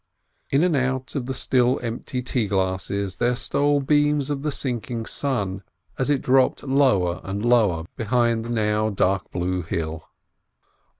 In and out of the still empty tea glasses there stole beams of the sinking sun, as it dropt lower and lower behind the now dark blue hill.